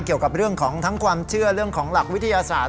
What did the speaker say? เกี่ยวกับเรื่องของทั้งความเชื่อเรื่องของหลักวิทยาศาสตร์